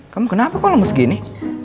kamu kenapa kok lemes gini